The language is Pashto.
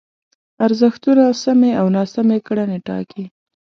ارزښتونه سمې او ناسمې کړنې ټاکي.